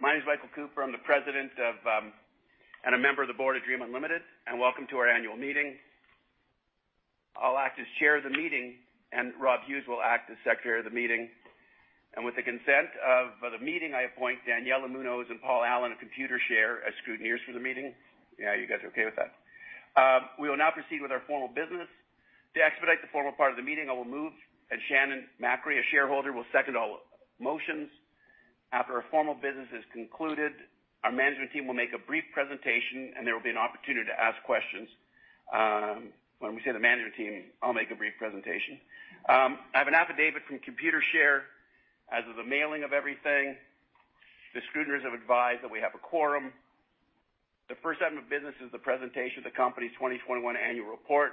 My name is Michael Cooper. I'm the President of, and a member of the Board of Dream Unlimited, and welcome to our annual meeting. I'll act as Chair of the meeting, and Rob Hughes will act as Secretary of the meeting. With the consent of the meeting, I appoint Daniela Munoz and Paul Allen of Computershare as scrutineers for the meeting. Yeah, you guys are okay with that? We will now proceed with our formal business. To expedite the formal part of the meeting, I will move, and Shannon Macri, a shareholder, will second all motions. After our formal business is concluded, our management team will make a brief presentation, and there will be an opportunity to ask questions. When we say the management team, I'll make a brief presentation. I have an affidavit from Computershare as of the mailing of everything. The scrutineers have advised that we have a quorum. The first item of business is the presentation of the company's 2021 annual report,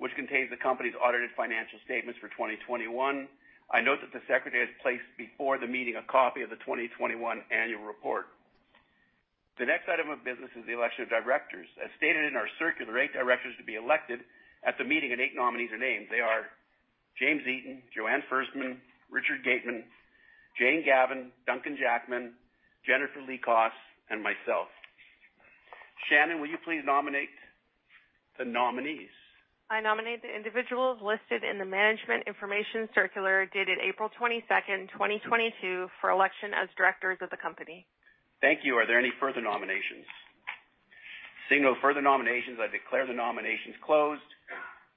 which contains the company's audited financial statements for 2021. I note that the Secretary has placed before the meeting a copy of the 2021 annual report. The next item of business is the election of directors. As stated in our circular, eight directors to be elected at the meeting, and eight nominees are named. They are James Eaton, Joanne Ferstman, Richard Gateman, Jane Gavan, Duncan Jackman, Jennifer Lee Koss, and myself. Shannon, will you please nominate the nominees? I nominate the individuals listed in the Management Information Circular dated April 22, 2022 for election as directors of the company. Thank you. Are there any further nominations? Seeing no further nominations, I declare the nominations closed.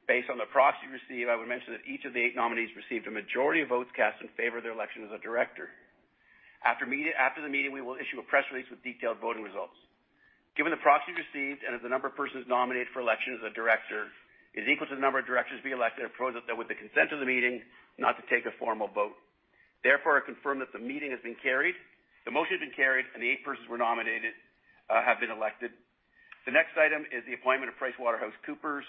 Based on the proxy received, I would mention that each of the eight nominees received a majority of votes cast in favor of their election as a director. After the meeting, we will issue a press release with detailed voting results. Given the proxy received and as the number of persons nominated for election as a director is equal to the number of directors to be elected, I propose that with the consent of the meeting not to take a formal vote. Therefore, I confirm that the meeting has been carried, the motion has been carried, and the eight persons who were nominated have been elected. The next item is the appointment of PricewaterhouseCoopers.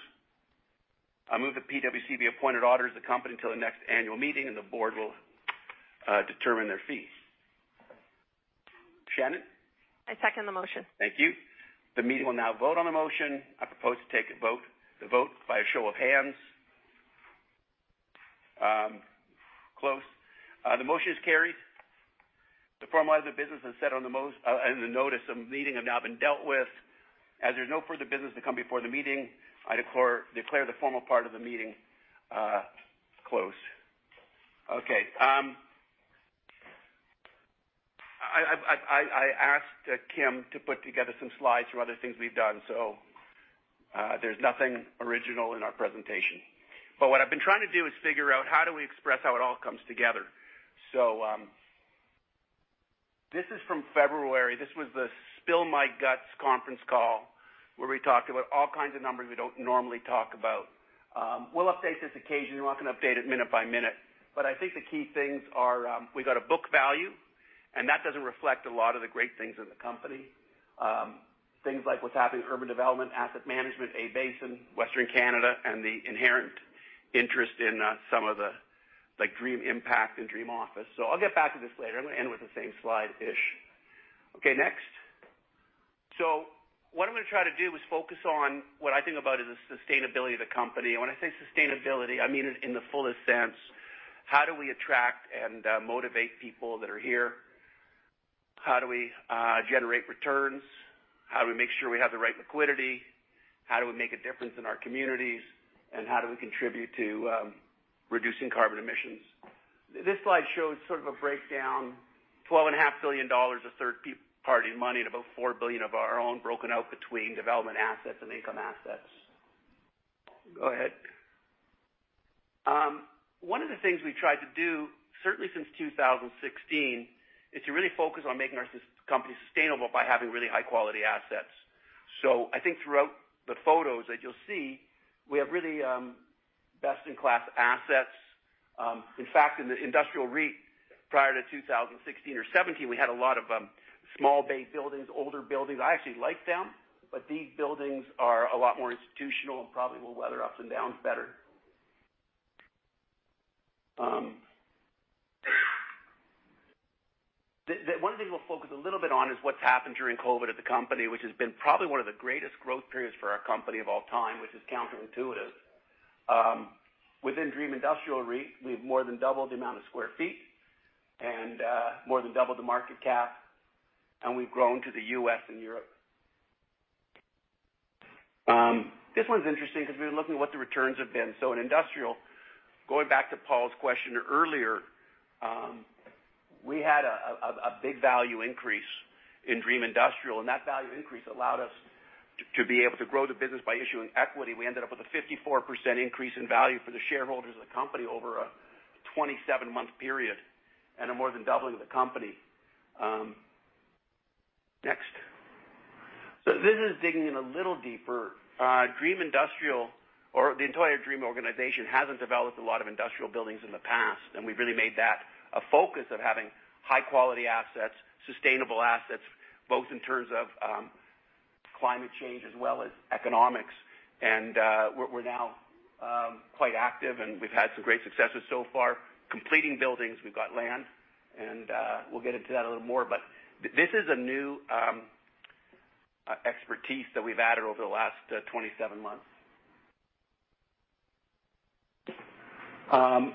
I move that PwC be appointed auditor of the company until the next annual meeting, and the board will determine their fees. Shannon? I second the motion. Thank you. The meeting will now vote on the motion. I propose to take a vote by a show of hands. Close. The motion is carried. The formal items of business as set out in the notice of meeting have now been dealt with. As there's no further business to come before the meeting, I declare the formal part of the meeting closed. Okay. I asked Kim to put together some slides from other things we've done, so there's nothing original in our presentation. What I've been trying to do is figure out how do we express how it all comes together. This is from February. This was the Spill My Guts conference call, where we talked about all kinds of numbers we don't normally talk about. We'll update this occasionally. We're not gonna update it minute by minute. I think the key things are, we've got a book value, and that doesn't reflect a lot of the great things in the company. Things like what's happening in urban development, asset management, A-Basin, Western Canada, and the inherent interest in some of the, like Dream Impact and Dream Office. I'll get back to this later. I'm gonna end with the same slide-ish. Okay, next. What I'm gonna try to do is focus on what I think about is the sustainability of the company. When I say sustainability, I mean it in the fullest sense. How do we attract and, motivate people that are here? How do we, generate returns? How do we make sure we have the right liquidity? How do we make a difference in our communities? How do we contribute to reducing carbon emissions? This slide shows sort of a breakdown, $12.5 billion of third-party money and about $4 billion of our own broken out between development assets and income assets. Go ahead. One of the things we tried to do, certainly since 2016, is to really focus on making our company sustainable by having really high-quality assets. I think throughout the photos that you'll see, we have really best-in-class assets. In fact, in the industrial REIT prior to 2016 or 2017, we had a lot of small bay buildings, older buildings. I actually liked them, but these buildings are a lot more institutional and probably will weather ups and downs better. One thing we'll focus a little bit on is what's happened during COVID at the company, which has been probably one of the greatest growth periods for our company of all time, which is counterintuitive. Within Dream Industrial REIT, we've more than doubled the amount of sq ft and more than doubled the market cap, and we've grown to the US and Europe. This one's interesting because we've been looking at what the returns have been. In industrial, going back to Paul's question earlier, we had a big value increase in Dream Industrial, and that value increase allowed us to be able to grow the business by issuing equity. We ended up with a 54% increase in value for the shareholders of the company over a 27-month period and a more than doubling of the company. Next. This is digging in a little deeper. Dream Industrial or the entire Dream organization hasn't developed a lot of industrial buildings in the past, and we've really made that a focus of having high-quality assets, sustainable assets, both in terms of climate change as well as economics. We're now quite active, and we've had some great successes so far completing buildings. We've got land, and we'll get into that a little more. This is a new expertise that we've added over the last 27 months.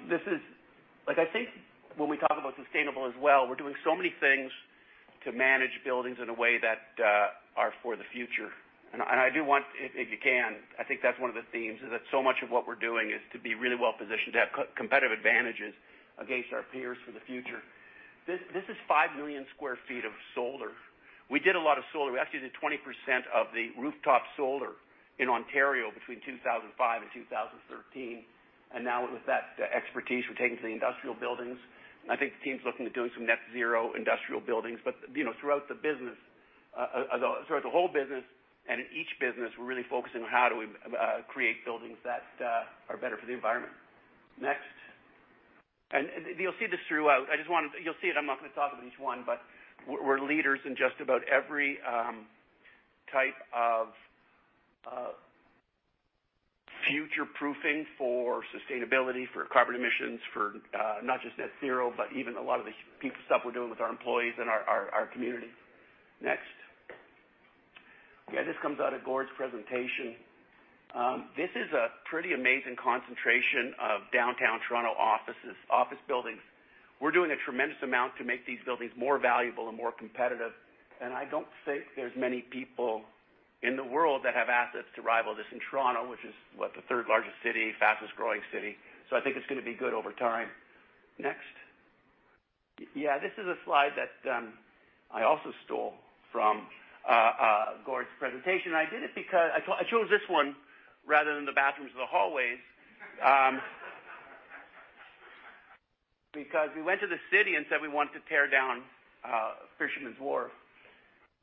This is like, I think when we talk about sustainable as well, we're doing so many things to manage buildings in a way that are for the future. I do want if you can, I think that's one of the themes is that so much of what we're doing is to be really well positioned to have competitive advantages against our peers for the future. This is 5 million square feet of solar. We did a lot of solar. We actually did 20% of the rooftop solar in Ontario between 2005 and 2013. Now with that, the expertise we're taking to the industrial buildings, and I think the team's looking at doing some net zero industrial buildings. You know, throughout the business, throughout the whole business and in each business, we're really focusing on how do we create buildings that are better for the environment. Next. You'll see this throughout. I just wanted. You'll see it. I'm not gonna talk about each one, but we're leaders in just about every type of future-proofing for sustainability, for carbon emissions, for not just net zero, but even a lot of the stuff we're doing with our employees and our community. Next. Yeah. This comes out of Gord's presentation. This is a pretty amazing concentration of downtown Toronto offices, office buildings. We're doing a tremendous amount to make these buildings more valuable and more competitive. I don't think there's many people in the world that have assets to rival this in Toronto, which is, what? The third-largest city, fastest-growing city. I think it's gonna be good over time. Next. Yeah. This is a slide that I also stole from Gord's presentation. I did it because I chose this one rather than the bathrooms or the hallways, because we went to the city and said we wanted to tear down Fisherman's Wharf.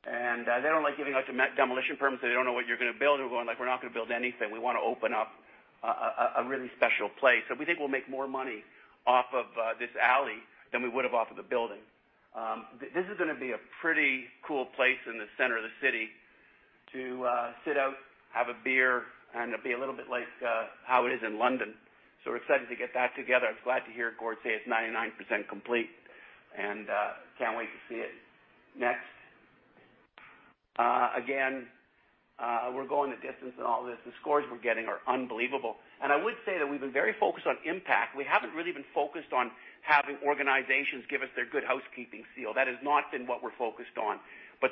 They don't like giving out demolition permits, so they don't know what you're gonna build. We're going like, "We're not gonna build anything. We wanna open up a really special place." We think we'll make more money off of this alley than we would have off of the building. This is gonna be a pretty cool place in the center of the city to sit out, have a beer, and it'll be a little bit like how it is in London. We're excited to get that together. I was glad to hear Gord say it's 99% complete, and can't wait to see it. Next. Again, we're going the distance in all this. The scores we're getting are unbelievable. I would say that we've been very focused on impact. We haven't really been focused on having organizations give us their Good Housekeeping seal. That has not been what we're focused on.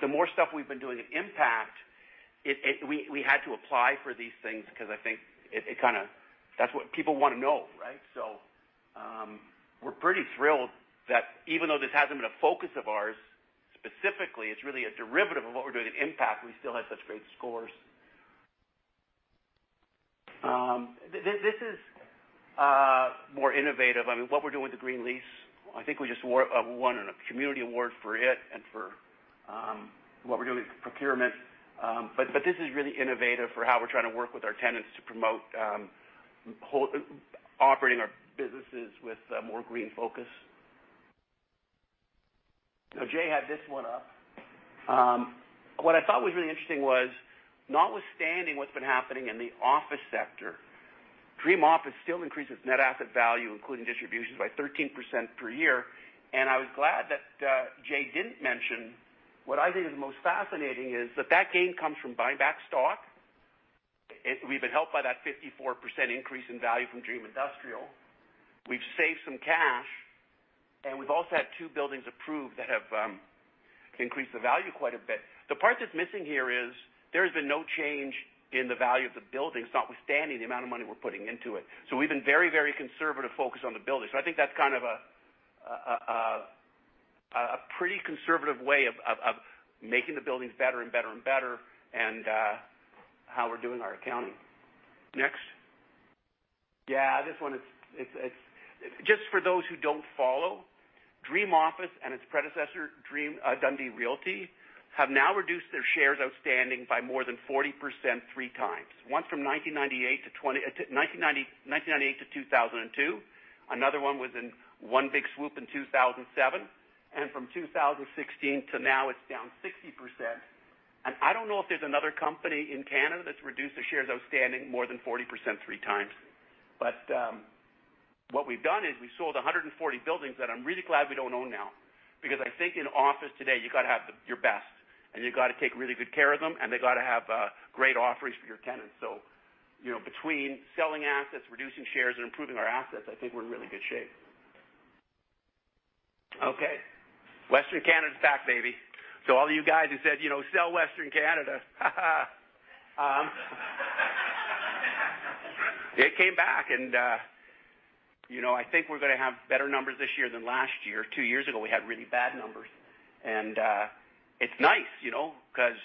The more stuff we've been doing in impact. We had to apply for these things because I think it kinda. That's what people wanna know, right? We're pretty thrilled that even though this hasn't been a focus of ours, specifically, it's really a derivative of what we're doing in impact, we still had such great scores. This is more innovative. I mean, what we're doing with the green lease, I think we just won a community award for it and for what we're doing with procurement. This is really innovative for how we're trying to work with our tenants to promote operating our businesses with more green focus. Now, Jay had this one up. What I thought was really interesting was notwithstanding what's been happening in the office sector, Dream Office still increases net asset value, including distributions, by 13% per year. I was glad that Jay didn't mention what I think is the most fascinating is that that gain comes from buying back stock. We've been helped by that 54% increase in value from Dream Industrial. We've saved some cash, and we've also had two buildings approved that have increased the value quite a bit. The part that's missing here is there has been no change in the value of the buildings, notwithstanding the amount of money we're putting into it. We've been very, very conservative, focused on the buildings. I think that's kind of a pretty conservative way of making the buildings better and better and how we're doing our accounting. Next. This one is it. Just for those who don't follow, Dream Office and its predecessor, Dream, Dundee Realty, have now reduced their shares outstanding by more than 40% three times. Once from 1998 to 2002. Another one was in one big swoop in 2007. From 2016 to now, it's down 60%. I don't know if there's another company in Canada that's reduced their shares outstanding more than 40% three times. what we've done is we sold 140 buildings that I'm really glad we don't own now because I think in office today, you gotta have your best, and you gotta take really good care of them, and they gotta have great offerings for your tenants. You know, between selling assets, reducing shares, and improving our assets, I think we're in really good shape. Okay. Western Canada's back, baby. All you guys who said, you know, "Sell Western Canada." Ha ha. It came back and, you know, I think we're gonna have better numbers this year than last year. Two years ago, we had really bad numbers. It's nice, you know, 'cause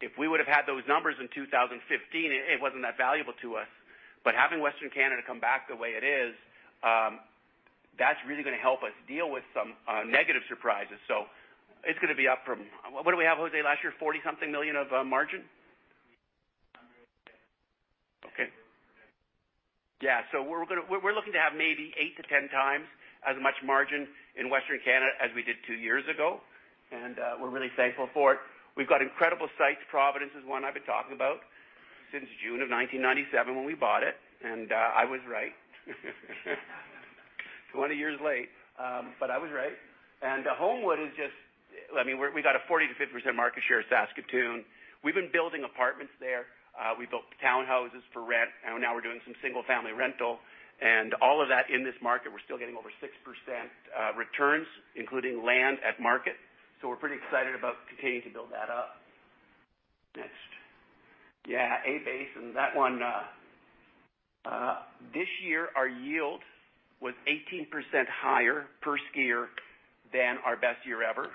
if we would've had those numbers in 2015, it wasn't that valuable to us. Having Western Canada come back the way it is, that's really gonna help us deal with some negative surprises. It's gonna be up from what we have, Jose, last year? $40-something million of margin? Okay. Yeah. We're looking to have maybe 8-10 times as much margin in Western Canada as we did two years ago, and we're really thankful for it. We've got incredible sites. Providence is one I've been talking about since June 1997 when we bought it, and I was right. 20 years late, but I was right. Holmwood is just. I mean, we got a 40%-50% market share of Saskatoon. We've been building apartments there. We built townhouses for rent, and now we're doing some single-family rental. All of that in this market, we're still getting over 6% returns, including land at market. We're pretty excited about continuing to build that up. Next. Yeah, A-Basin. That one, this year our yield was 18% higher per skier than our best year ever.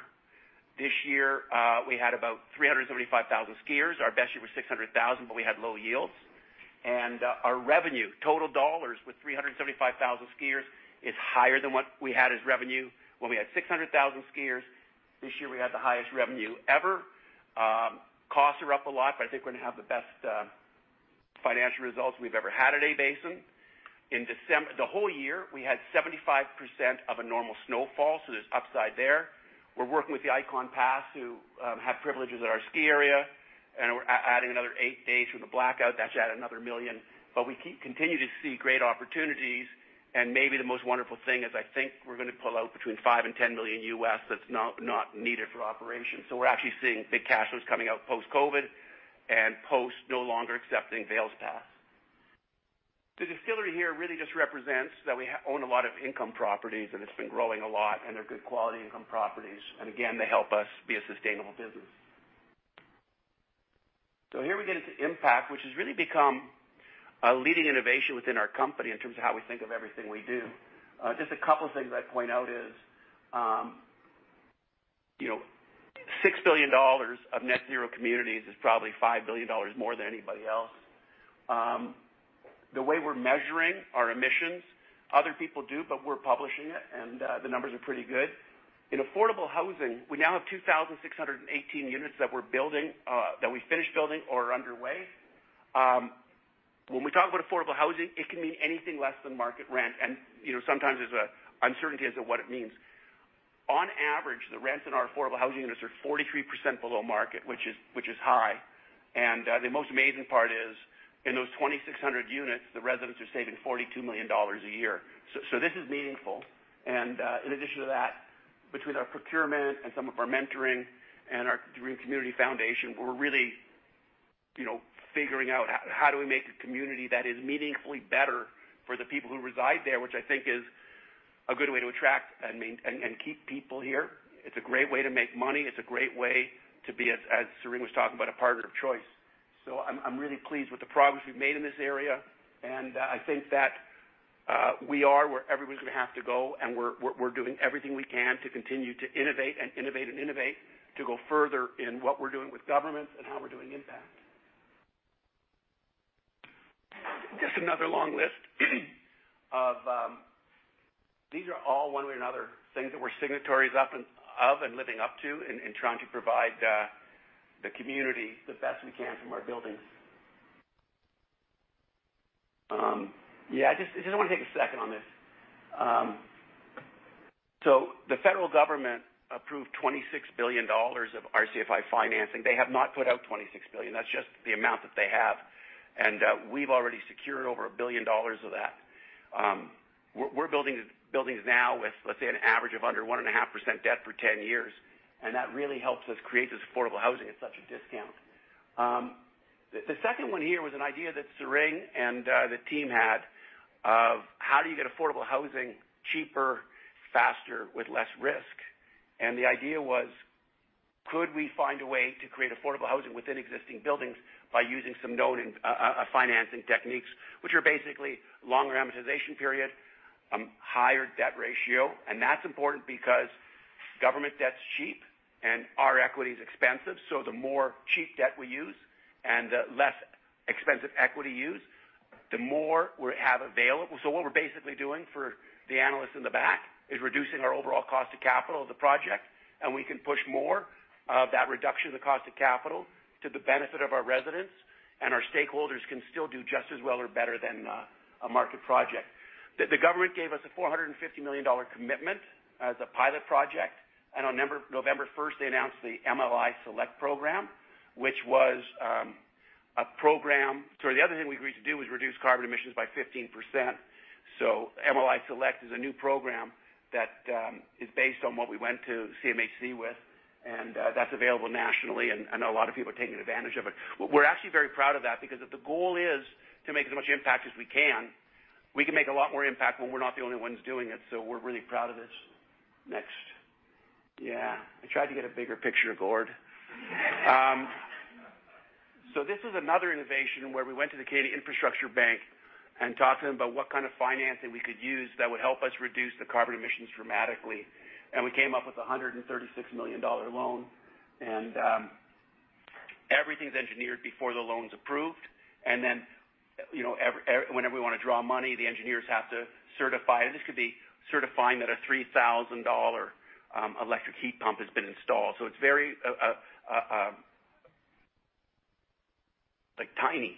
This year, we had about 375,000 skiers. Our best year was 600,000, but we had low yields. Our revenue, total dollars with 375,000 skiers, is higher than what we had as revenue when we had 600,000 skiers. This year we had the highest revenue ever. Costs are up a lot, but I think we're gonna have the best financial results we've ever had at A-Basin. The whole year, we had 75% of a normal snowfall, so there's upside there. We're working with the Ikon Pass who have privileges at our ski area, and we're adding another 8 days from the blackout. That should add $1 million. We continue to see great opportunities, and maybe the most wonderful thing is I think we're gonna pull out between $5-$10 million that's not needed for operations. We're actually seeing big cash flows coming out post-COVID and post no longer accepting Vail's pass. The distillery here really just represents that we own a lot of income properties, and it's been growing a lot, and they're good quality income properties. Again, they help us be a sustainable business. Here we get into impact, which has really become a leading innovation within our company in terms of how we think of everything we do. Just a couple things I'd point out is, you know, $6 billion of net zero communities is probably $5 billion more than anybody else. The way we're measuring our emissions, other people do, but we're publishing it, and the numbers are pretty good. In affordable housing, we now have 2,618 units that we're building, that we finished building or are underway. When we talk about affordable housing, it can mean anything less than market rent. You know, sometimes there's a uncertainty as to what it means. On average, the rents in our affordable housing units are 43% below market, which is high. The most amazing part is, in those 2,600 units, the residents are saving $42 million a year. This is meaningful. In addition to that, between our procurement and some of our mentoring and our Dream Community Foundation, we're really, you know, figuring out how do we make a community that is meaningfully better for the people who reside there, which I think is a good way to attract and maintain and keep people here. It's a great way to make money. It's a great way to be, as Serene was talking about, a partner of choice. I'm really pleased with the progress we've made in this area. I think that we are where everybody's gonna have to go, and we're doing everything we can to continue to innovate to go further in what we're doing with governments and how we're doing impact. Just another long list of. These are all, one way or another, things that we're signatories of and living up to in trying to provide the community the best we can from our buildings. Yeah, I just wanna take a second on this. The federal government approved $26 billion of RCFi financing. They have not put out $26 billion. That's just the amount that they have. We've already secured over $1 billion of that. We're building buildings now with, let's say, an average of under 1.5% debt for 10 years, and that really helps us create this affordable housing at such a discount. The second one here was an idea that Serene and the team had of how do you get affordable housing cheaper, faster, with less risk. The idea was, could we find a way to create affordable housing within existing buildings by using some known financing techniques, which are basically longer amortization period, higher debt ratio. That's important because government debt's cheap and our equity is expensive. The more cheap debt we use and the less expensive equity used, the more we have available. What we're basically doing, for the analysts in the back, is reducing our overall cost of capital of the project, and we can push more of that reduction in the cost of capital to the benefit of our residents, and our stakeholders can still do just as well or better than a market project. The government gave us a $450 million commitment as a pilot project. On November first, they announced the MLI Select program, which was a program. The other thing we agreed to do was reduce carbon emissions by 15%. MLI Select is a new program that is based on what we went to CMHC with, and that's available nationally, and I know a lot of people are taking advantage of it. We're actually very proud of that because if the goal is to make as much impact as we can, we can make a lot more impact when we're not the only ones doing it. We're really proud of this. Next. Yeah. I tried to get a bigger picture, Gord. This is another innovation where we went to the Canada Infrastructure Bank and talked to them about what kind of financing we could use that would help us reduce the carbon emissions dramatically. We came up with a $136 million loan. Everything's engineered before the loan's approved. Whenever we wanna draw money, the engineers have to certify. This could be certifying that a $3,000 electric heat pump has been installed. It's very like tiny.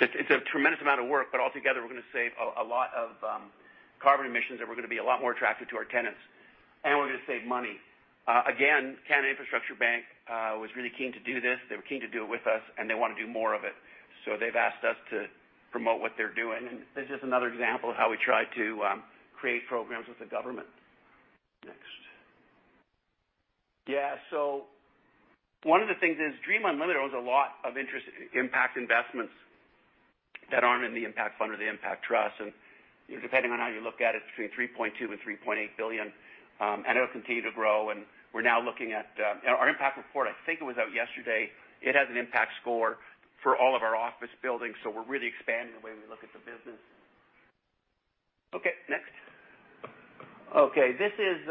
It's a tremendous amount of work, but altogether, we're gonna save a lot of carbon emissions and we're gonna be a lot more attractive to our tenants. We're gonna save money. Again, Canada Infrastructure Bank was really keen to do this. They were keen to do it with us, and they wanna do more of it. They've asked us to promote what they're doing. This is just another example of how we try to create programs with the government. Next. Yeah. One of the things is Dream Unlimited owns a lot of interest in impact investments that aren't in the impact fund or the impact trust. You know, depending on how you look at it's between $3.2 billion and $3.8 billion, and it'll continue to grow. We're now looking at our impact report. I think it was out yesterday. It has an impact score for all of our office buildings, so we're really expanding the way we look at the business. Okay, next. Okay, this is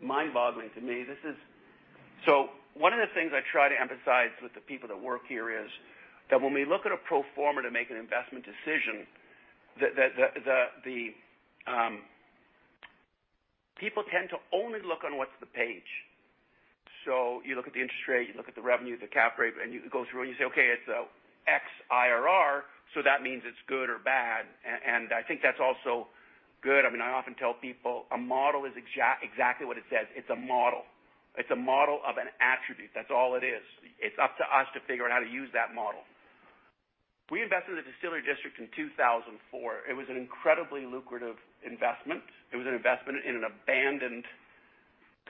mind-boggling to me. This is. One of the things I try to emphasize with the people that work here is that when we look at a pro forma to make an investment decision, people tend to only look at what's on the page. You look at the interest rate, you look at the revenue, the cap rate, and you go through and you say, "Okay, it's X IRR, so that means it's good or bad." I think that's also good. I mean, I often tell people a model is exactly what it says. It's a model. It's a model of an attribute. That's all it is. It's up to us to figure out how to use that model. We invested in the Distillery District in 2004. It was an incredibly lucrative investment. It was an investment in an abandoned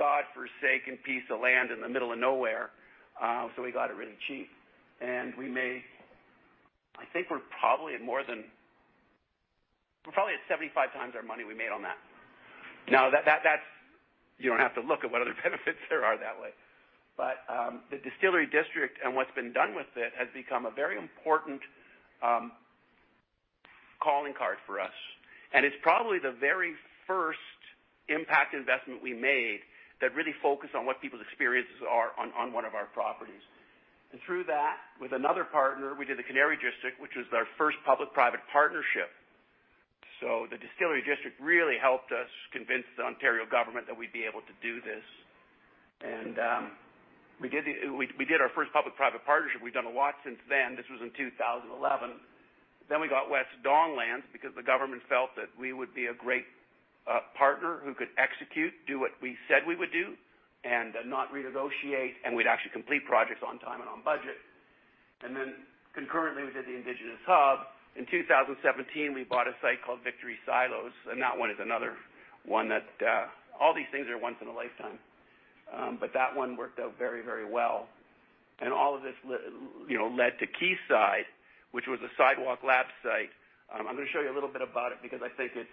God-forsaken piece of land in the middle of nowhere, so we got it really cheap. I think we're probably at more than 75 times our money we made on that. That's. You don't have to look at what other benefits there are that way. The Distillery District and what's been done with it has become a very important calling card for us. It's probably the very first impact investment we made that really focused on what people's experiences are on one of our properties. Through that, with another partner, we did the Canary District, which was our first public-private partnership. The Distillery District really helped us convince the Ontario government that we'd be able to do this. We did our first public-private partnership. We've done a lot since then. This was in 2011. We got West Don Lands because the government felt that we would be a great partner who could execute, do what we said we would do, and not renegotiate, and we'd actually complete projects on time and on budget. Concurrently, we did the Indigenous Hub. In 2017, we bought a site called Victory Silos, and that one is another one that all these things are once in a lifetime. But that one worked out very, very well. All of this you know led to Quayside, which was a Sidewalk Labs site. I'm gonna show you a little bit about it because I think it's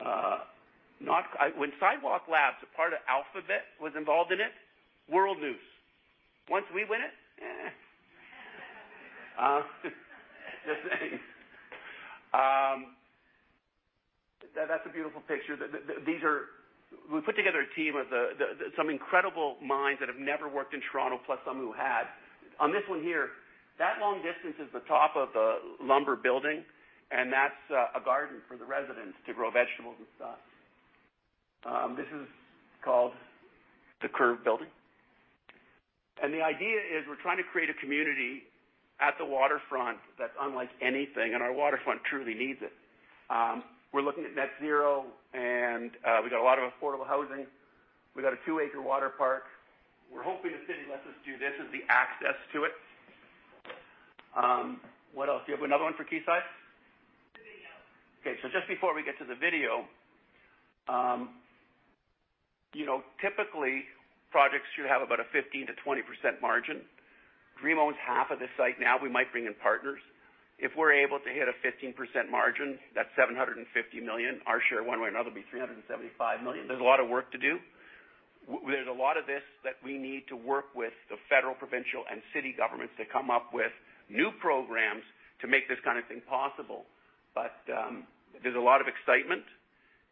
not. When Sidewalk Labs, a part of Alphabet, was involved in it, world news. Once we win it, eh. Just saying. That's a beautiful picture. These are. We put together a team of some incredible minds that have never worked in Toronto, plus some who had. On this one here, that long distance is the top of a lumber building, and that's a garden for the residents to grow vegetables and stuff. This is called the Curve Building. The idea is we're trying to create a community at the waterfront that's unlike anything, and our waterfront truly needs it. We're looking at net zero, and we've got a lot of affordable housing. We've got a 2-acre water park. We're hoping the city lets us do this as the access to it. What else? Do you have another one for Quayside? The video. Okay. Just before we get to the video, you know, typically projects should have about a 15% to 20% margin. Dream owns half of this site now. We might bring in partners. If we're able to hit a 15% margin, that's $750 million. Our share, one way or another, will be $375 million. There's a lot of work to do. We had a lot of this that we need to work with the federal, provincial, and city governments to come up with new programs to make this kind of thing possible. There's a lot of excitement,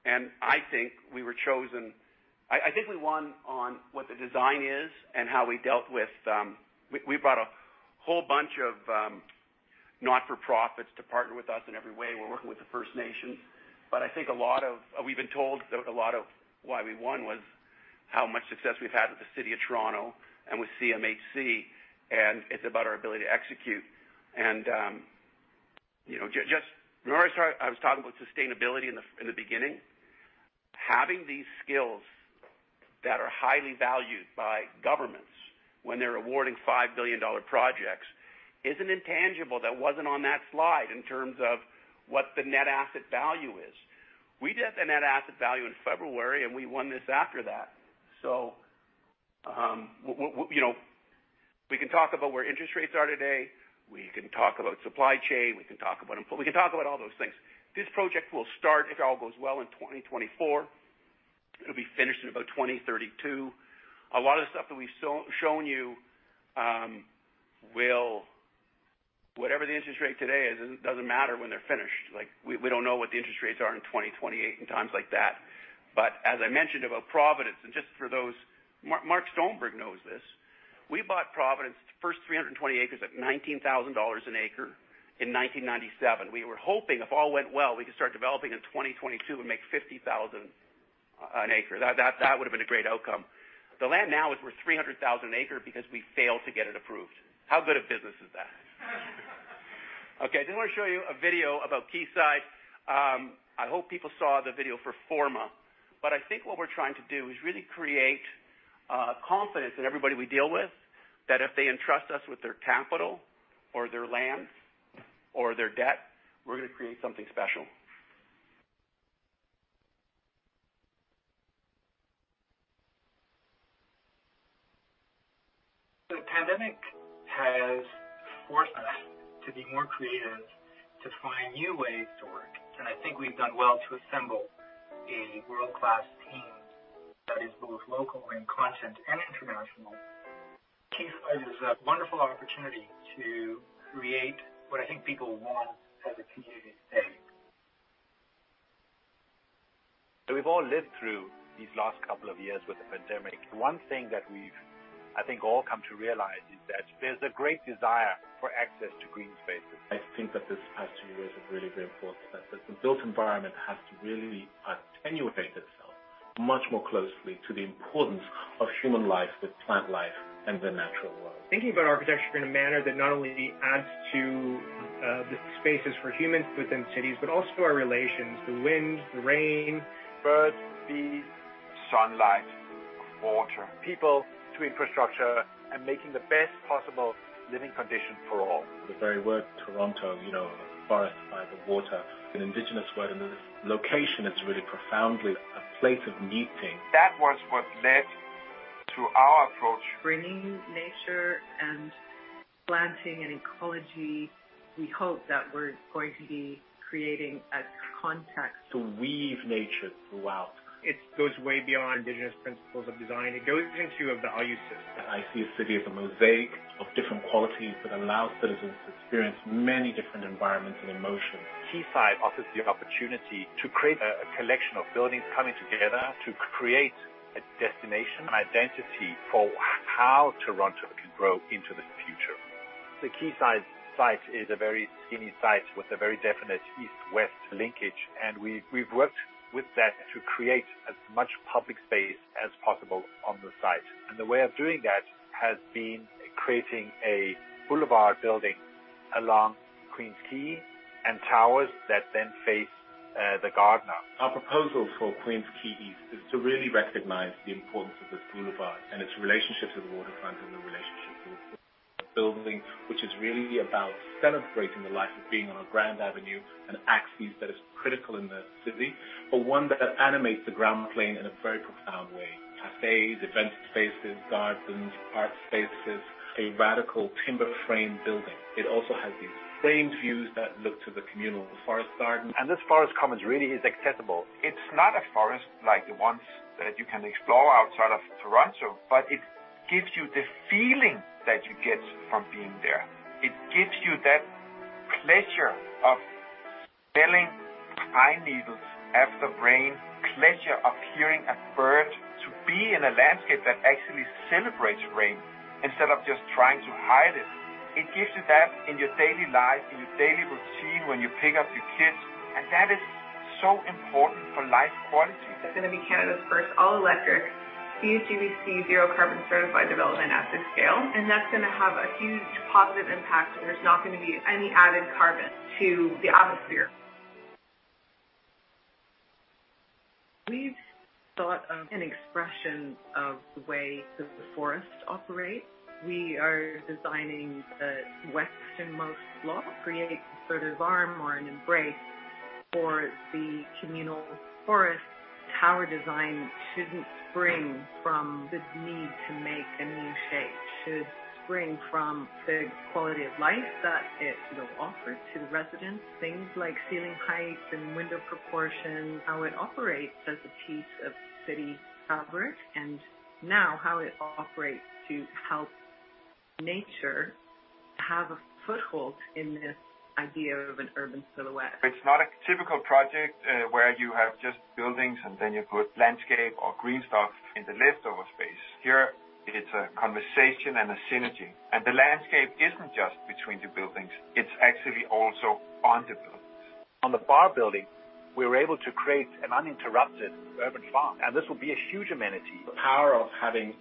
and I think we were chosen. I think we won on what the design is and how we dealt with. We brought a whole bunch of not-for-profits to partner with us in every way. We're working with the First Nations. I think we've been told that a lot of why we won was how much success we've had with the City of Toronto and with CMHC, and it's about our ability to execute. Just remember I was talking about sustainability in the beginning. Having these skills that are highly valued by governments when they're awarding $5 billion projects is an intangible that wasn't on that slide in terms of what the net asset value is. We did the net asset value in February, and we won this after that. We can talk about where interest rates are today, we can talk about supply chain, we can talk about inflation, we can talk about all those things. This project will start, if all goes well, in 2024. It'll be finished in about 2032. A lot of the stuff that we've shown you, whatever the interest rate today is, it doesn't matter when they're finished. Like, we don't know what the interest rates are in 2028 and times like that. But as I mentioned about Providence, and just for those, Mark Rothschild knows this. We bought Providence, the first 320 acres, at $19,000 an acre in 1997. We were hoping, if all went well, we could start developing in 2022 and make $50,000 an acre. That would've been a great outcome. The land now is worth $300,000 an acre because we failed to get it approved. How good a business is that? Okay, I just want to show you a video about Quayside. I hope people saw the video for Forma. I think what we're trying to do is really create confidence in everybody we deal with, that if they entrust us with their capital or their lands or their debt, we're gonna create something special. The pandemic has forced us to be more creative, to find new ways to work, and I think we've done well to assemble a world-class team that is both local in content and international. Quayside is a wonderful opportunity to create what I think people want as a community today. We've all lived through these last couple of years with the pandemic. One thing that we've, I think, all come to realize is that there's a great desire for access to green spaces. I think that this past two years have really reinforced that the built environment has to really attune itself much more closely to the importance of human life with plant life and the natural world. Thinking about architecture in a manner that not only adds to the spaces for humans within cities, but also our relations, the wind, the rain. Birds, bees, sunlight, water. People to infrastructure and making the best possible living condition for all. The very word Toronto, you know, a forest by the water, an Indigenous word, and the location is really profoundly a place of meeting. That was what led to our approach. Bringing nature and planting and ecology, we hope that we're going to be creating a context. To weave nature throughout. It goes way beyond indigenous principles of design. It goes into a value system. I see a city as a mosaic of different qualities that allows citizens to experience many different environments and emotions. Quayside offers the opportunity to create a collection of buildings coming together to create a destination, an identity for how Toronto can grow into the future. The Quayside site is a very skinny site with a very definite east-west linkage, and we've worked with that to create as much public space as possible on the site. The way of doing that has been creating a boulevard building along Queen's Quay and towers that then face the garden. Our proposal for Queen's Quay East is to really recognize the importance of this boulevard and its relationship to the waterfront and the relationship to the building, which is really about celebrating the life of being on a grand avenue, an axis that is critical in the city, but one that animates the ground plane in a very profound way. Cafes, event spaces, gardens, art spaces, a radical timber frame building. It also has these framed views that look to the communal forest garden. This forest commons really is accessible. It's not a forest like the ones that you can explore outside of Toronto, but it gives you the feeling that you get from being there. It gives you that pleasure of smelling pine needles after rain, pleasure of hearing a bird, to be in a landscape that actually celebrates rain instead of just trying to hide it. It gives you that in your daily life, in your daily routine when you pick up your kids, and that is so important for life quality. It's gonna be Canada's first all-electric, CaGBC zero carbon-certified development at this scale, and that's gonna have a huge positive impact, and there's not gonna be any added carbon to the atmosphere. We've thought of an expression of the way that the forest operates. We are designing the westernmost block, create a sort of arm or an embrace for the communal forest. Tower design shouldn't spring from the need to make a new shape. It should spring from the quality of life that it will offer to the residents. Things like ceiling height and window proportion, how it operates as a piece of city fabric, and now how it operates to help nature have a foothold in this idea of an urban silhouette. It's not a typical project, where you have just buildings, and then you put landscape or green stuff in the leftover space. Here, it's a conversation and a synergy. The landscape isn't just between the buildings, it's actually also on the buildings. On the bar building, we were able to create an uninterrupted urban farm, and this will be a huge amenity. The power of having,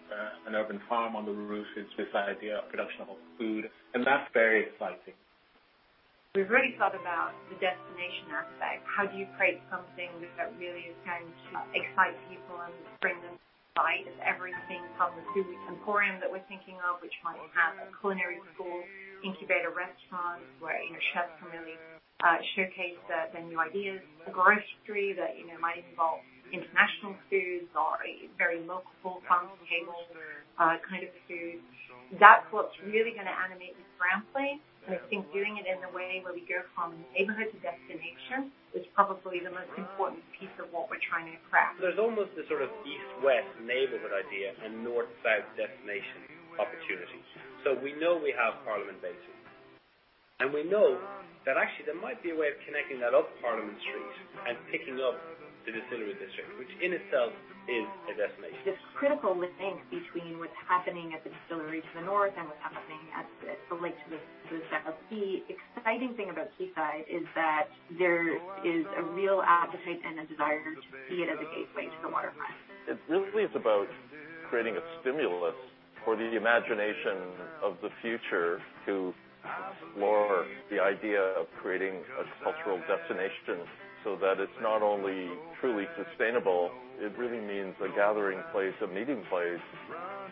an urban farm on the roof is this idea of production of food, and that's very exciting. We've really thought about the destination aspect. How do you create something that really is going to excite people and bring them by? Everything from the foodie emporium that we're thinking of, which might have a culinary school, incubator restaurants where, you know, chefs can really showcase their new ideas. A grocery that, you know, might involve international foods or a very local farm-to-table kind of food. That's what's really gonna animate this ground plane, and I think doing it in a way where we go from neighborhood to destination is probably the most important piece of what we're trying to craft. There's almost this sort of east-west neighborhood idea and north-south destination opportunity. We know we have Parliament Basin, and we know that actually there might be a way of connecting that up Parliament Street and picking up the Distillery District, which in itself is a destination. It's critical, we think, between what's happening at the distillery to the north and what's happening at the lake to the south. The exciting thing about Quayside is that there is a real appetite and a desire to see it as a gateway to the waterfront. It really is about. Creating a stimulus for the imagination of the future to explore the idea of creating a cultural destination so that it's not only truly sustainable, it really means a gathering place, a meeting place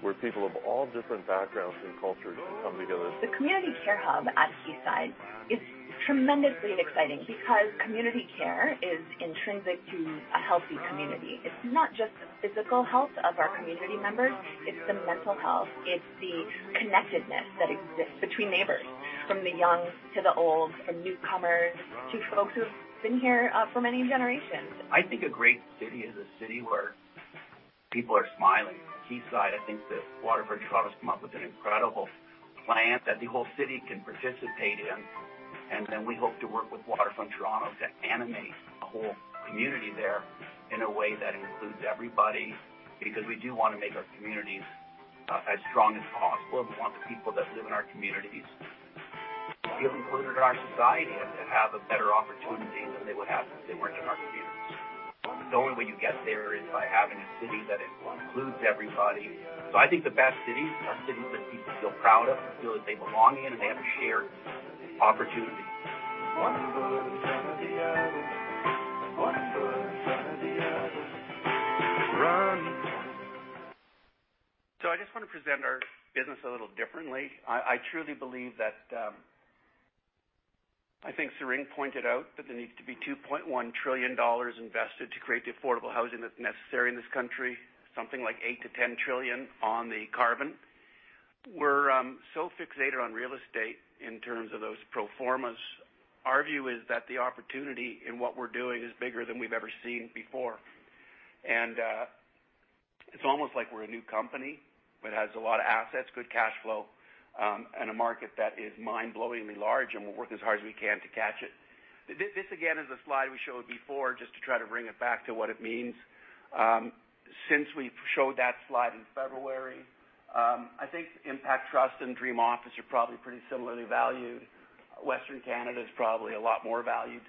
where people of all different backgrounds and cultures can come together. The community care hub at Quayside is tremendously exciting because community care is intrinsic to a healthy community. It's not just the physical health of our community members, it's the mental health. It's the connectedness that exists between neighbors, from the young to the old, from newcomers to folks who've been here for many generations. I think a great city is a city where people are smiling. Quayside, I think that Waterfront Toronto's come up with an incredible plan that the whole city can participate in. We hope to work with Waterfront Toronto to animate a whole community there in a way that includes everybody because we do wanna make our communities as strong as possible. We want the people that live in our communities to feel included in our society and to have a better opportunity than they would have if they weren't in our communities. The only way you get there is by having a city that includes everybody. I think the best cities are cities that people feel proud of, feel that they belong in, and they have a shared opportunity. I just wanna present our business a little differently. I truly believe that. I think Serene pointed out that there needs to be $2.1 trillion invested to create the affordable housing that's necessary in this country. Something like $8-$10 trillion on the carbon. We're so fixated on real estate in terms of those pro formas. Our view is that the opportunity in what we're doing is bigger than we've ever seen before. It's almost like we're a new company that has a lot of assets, good cash flow, and a market that is mind-blowingly large, and we'll work as hard as we can to catch it. This, again, is a slide we showed before just to try to bring it back to what it means. Since we showed that slide in February, I think Dream Impact Trust and Dream Office REIT are probably pretty similarly valued. Western Canada is probably a lot more valued.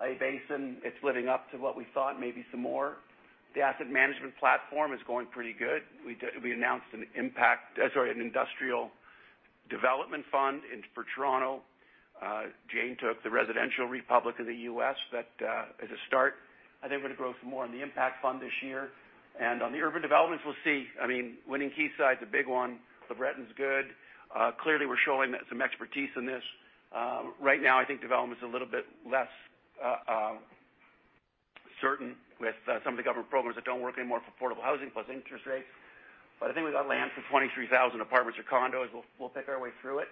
A-Basin, it's living up to what we thought, maybe some more. The asset management platform is going pretty good. We announced an industrial development fund for Toronto. Jane took the residential platform of the US that is a start. I think we're gonna grow some more on the Impact Fund this year. On the urban developments, we'll see. I mean, winning Quayside's a big one. LeBreton's good. Clearly, we're showing some expertise in this. Right now, I think development's a little bit less certain with some of the government programs that don't work anymore for affordable housing plus interest rates. But I think we got land for 23,000 apartments or condos. We'll pick our way through it.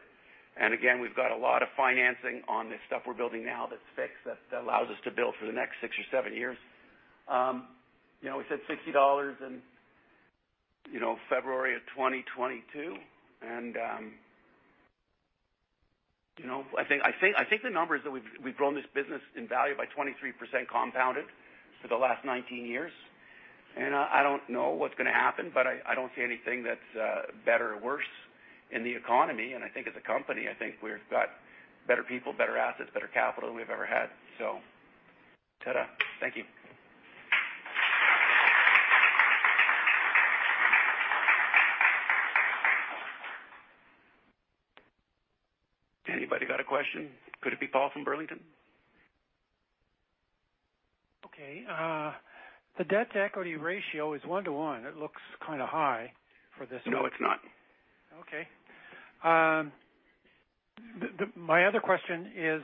Again, we've got a lot of financing on the stuff we're building now that's fixed that allows us to build for the next 6 or 7 years. You know, we said $60 in, you know, February of 2022. You know, I think the numbers that we've grown this business in value by 23% compounded for the last 19 years. I don't know what's gonna happen, but I don't see anything that's better or worse in the economy. I think as a company, I think we've got better people, better assets, better capital than we've ever had. Ta-da. Thank you. Anybody got a question? Could it be Paul from Burlington? Okay. The debt-to-equity ratio is 1:1. It looks kinda high for this. No, it's not. Okay. My other question is,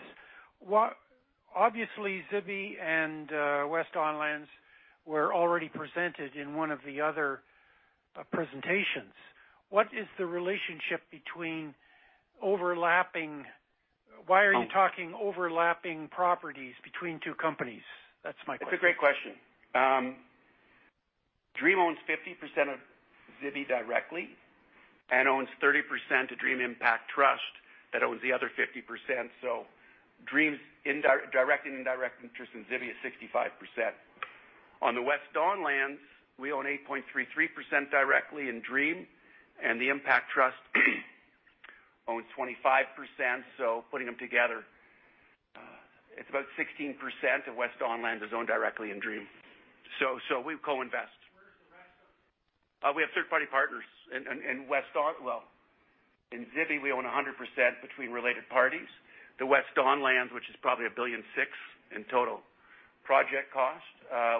obviously Zibi and West Don Lands were already presented in one of the other presentations. What is the relationship between overlapping properties? Why are you talking about overlapping properties between two companies? That's my question. It's a great question. Dream owns 50% of Zibi directly and owns 30% of Dream Impact Trust that owns the other 50%. Dream's direct and indirect interest in Zibi is 65%. On the West Don Lands, we own 8.33% directly in Dream, and the Impact Trust owns 25%. Putting them together, it's about 16% of West Don Lands is owned directly in Dream. We co-invest. Where is the rest of it? We have third-party partners. In Zibi, we own 100% between related parties. The West Don Lands, which is probably $1.6 billion in total project cost,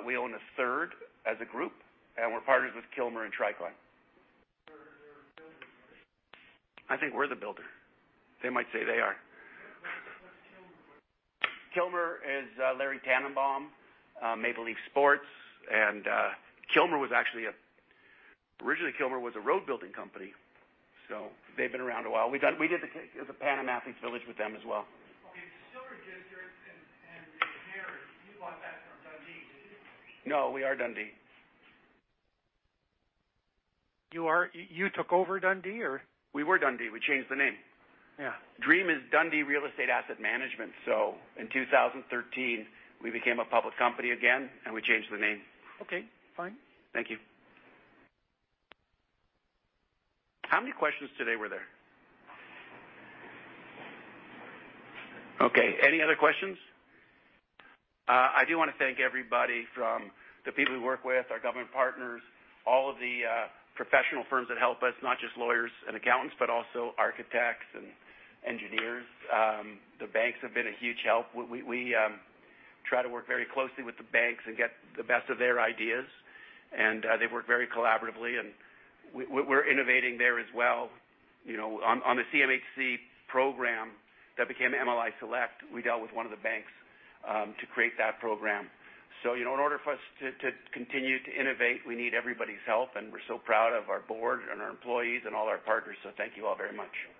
we own a third as a group, and we're partners with Kilmer and Tricon. They're building, right? I think we're the builder. They might say they are. What's Kilmer? Kilmer is Larry Tanenbaum, Maple Leaf Sports & Entertainment. Kilmer was actually originally a road building company, so they've been around a while. We did the Pan Am Athletes' Village with them as well. Okay. Silver Jasper and Mary, you bought that from Dundee, didn't you? No, we are Dundee. You took over Dundee or? We were Dundee. We changed the name. Yeah. Dream is Dundee Real Estate Asset Management. In 2013, we became a public company again, and we changed the name. Okay, fine. Thank you. How many questions today were there? Okay, any other questions? I do wanna thank everybody from the people we work with, our government partners, all of the professional firms that help us. Not just lawyers and accountants, but also architects and engineers. The banks have been a huge help. We try to work very closely with the banks and get the best of their ideas, and they work very collaboratively, and we're innovating there as well. You know, on the CMHC program that became MLI Select, we dealt with one of the banks to create that program. You know, in order for us to continue to innovate, we need everybody's help, and we're so proud of our board and our employees and all our partners. Thank you all very much.